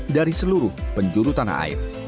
dari seluruh penjuru tanah air